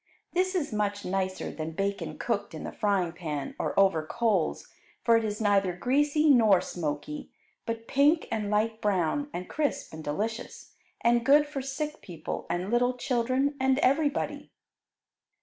This is much nicer than bacon cooked in the frying pan or over coals, for it is neither greasy nor smoky, but pink and light brown, and crisp and delicious, and good for sick people and little children and everybody.